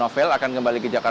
novel akan kembali ke tanah air